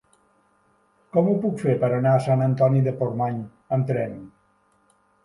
Com ho puc fer per anar a Sant Antoni de Portmany amb tren?